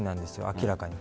明らかに。